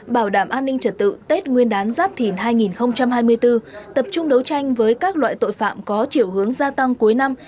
bảo đảm an ninh trật tự tết nguyên đán giáp thìn hai nghìn hai mươi bốn tập trung đấu tranh với các loại tội phạm có chiều hướng gia tăng cuối năm